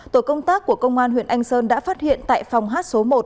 tổ công tác của công an huyện anh sơn đã phát hiện tại phòng hát số một